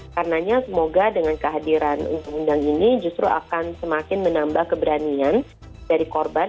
karenanya semoga dengan kehadiran undang undang ini justru akan semakin menambah keberanian dari korban